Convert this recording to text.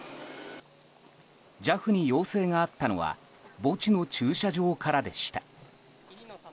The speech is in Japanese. ＪＡＦに要請があったのは墓地の駐車場からでした。